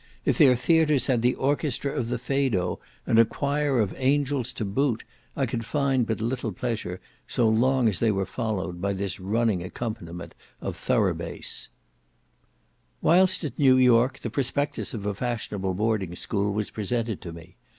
If their theatres had the orchestra of the Feydeau, and a choir of angels to boot, I could find but little pleasure, so long as they were followed by this running accompaniment of thorough base. Whilst at New York, the prospectus of a fashionable boarding school was presented to me.